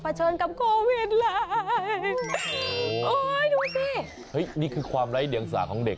เชิญกับโควิดเลยโอ้ยดูสิเฮ้ยนี่คือความไร้เดียงสาของเด็ก